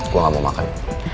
gue gak mau makan